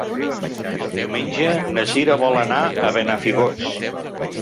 Diumenge na Cira vol anar a Benafigos.